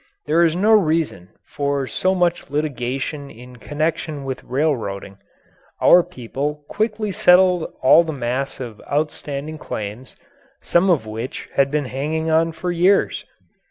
There is no reason for so much litigation in connection with railroading. Our people quickly settled all the mass of outstanding claims, some of which had been hanging on for years.